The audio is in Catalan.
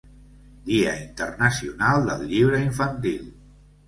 Dia Internacional del Llibre Infantil.